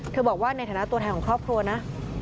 บอกว่าในฐานะตัวแทนของครอบครัวนะ